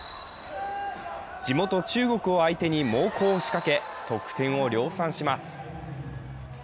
地元・中国を相手に猛攻を仕掛け得点を量産します。